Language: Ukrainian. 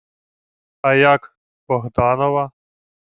— А як... Богданова?